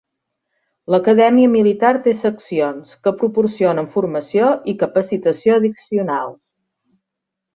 L'acadèmia militar té seccions, que proporcionen formació i capacitació addicionals.